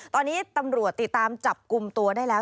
ตอนนี้ตำรวจติดตามจับกลุ่มตัวได้แล้ว